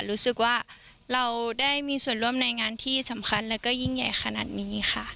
รู้สึกว่าเราได้มีส่วนร่วมในงานที่สำคัญแล้วก็ยิ่งใหญ่ขนาดนี้ค่ะ